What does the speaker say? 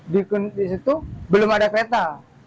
di situ belum ada peta